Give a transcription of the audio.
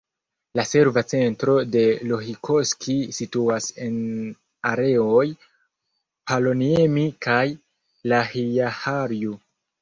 La serva centro de Lohikoski situas en areoj Paloniemi kaj Lahjaharju.